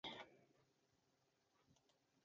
However, it was a spiritual, and not a legal ceremony.